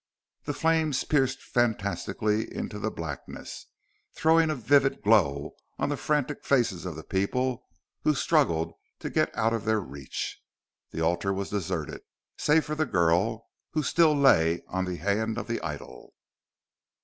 The flames pierced fantastically into the blackness, throwing a vivid glow on the frantic faces of the people who struggled to get out of their reach. The altar was deserted, save for the girl who still lay on the hand of the idol....